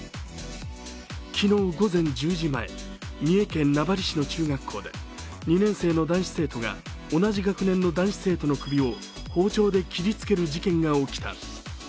昨日、午前１０時前三重県名張市の中学校で２年生の男子生徒が、同じ学年の男子生徒の首を包丁で切りつける事件が起きた。